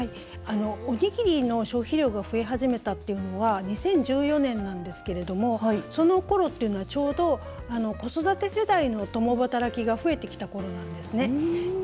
おにぎりの消費量が増え始めたっていうのは２０１４年なんですけれどもそのころっていうのはちょうど子育て世代の共働きが増えてきたころなんですね。